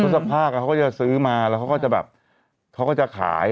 โศพพากษ์เขาก็จะซื้อมาและเขาก็จะขาย